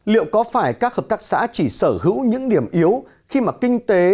liệu có phải các hợp tác xã chỉ sở hữu những điểm yếu khi mà kinh tế